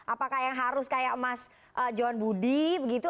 apakah yang harus kayak mas johan budi begitu